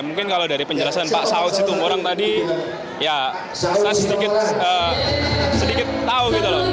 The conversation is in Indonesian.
mungkin kalau dari penjelasan pak saudz itu orang tadi ya sedikit tahu gitu loh